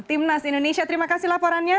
tim nas indonesia terima kasih laporannya